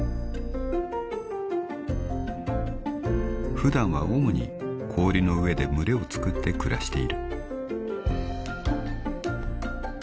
［普段は主に氷の上で群れをつくって暮らしている］